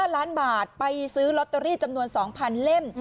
๕ล้านบาทไปซื้อลอตเตอรี่จำนวน๒๐๐เล่ม